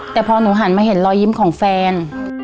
แต่พอหนูหันมาเห็นรอยยิ้มของแฟน